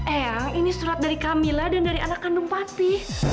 eyang ini surat dari kamila dan dari anak kandung papi